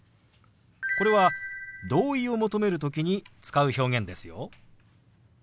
これは同意を求める時に使う表現ですよ。